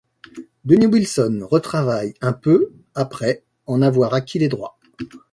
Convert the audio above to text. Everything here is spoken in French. Dennis Wilson retravaille un peu ' après en avoir acquis les droits.